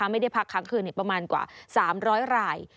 ไม่ได้พักค้างคืนอีกประมาณกว่า๓๐๐ราย